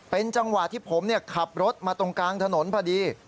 เป็นจังหวะที่ผมขับรถมาตรงกลางถนนพอดี